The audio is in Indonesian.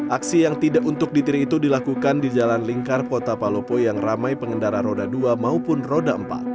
aksi yang tidak untuk ditiri itu dilakukan di jalan lingkar kota palopo yang ramai pengendara roda dua maupun roda empat